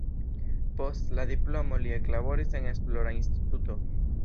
Post la diplomo li eklaboris en esplora instituto.